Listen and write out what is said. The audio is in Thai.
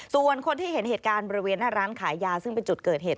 ส่วนคนที่เห็นเหตุการณ์บริเวณหน้าร้านขายยาซึ่งเป็นจุดเกิดเหตุ